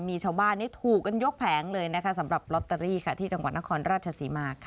มีชาวบ้านถูกกันยกแผงเลยนะคะสำหรับลอตเตอรี่ค่ะที่จังหวัดนครราชศรีมาค่ะ